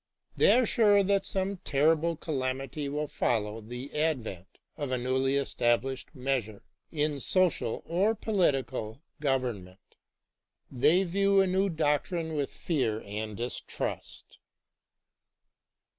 They are sure that some terrible calamity will follow the advent of a newly established measure in social or political govern ment. They view a new doctrine with fear and distrust.